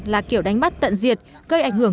là kiểu đánh bắt tận diệt gây ảnh hưởng